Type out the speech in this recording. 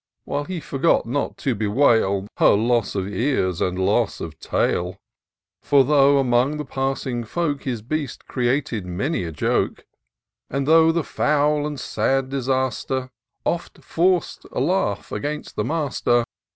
While he forgot not to bewail Her loss of ears and loss of tail ; For though, among the passing folk. His beast created many a joke. And though the foul and sad disaster Oft forced a laugh against the master.